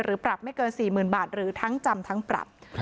ปรับไม่เกิน๔๐๐๐บาทหรือทั้งจำทั้งปรับ